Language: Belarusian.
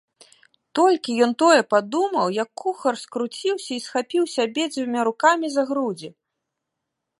Толькі ён тое падумаў, як кухар скруціўся і схапіўся абедзвюма рукамі за грудзі.